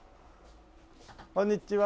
こんにちは。